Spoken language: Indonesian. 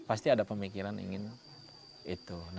pasti ada pemikiran ingin itu